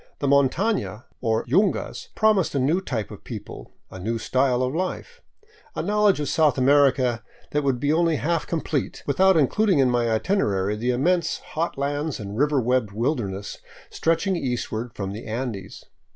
The montana or yungas promised a new type of people, a new style of life; a knowledge of South America would be only half complete 520 ON FOOT ACROSS TROPICAL BOLIVIA without including in my itinerary the immense hot lands and river webbed wilderness stretching eastward from the Andes.